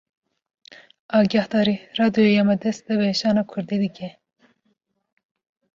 Agahdarî! Radyoya me dest bi weşana Kurdî dike